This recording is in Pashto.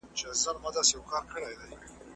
¬ پردى مور، نه مور کېږي.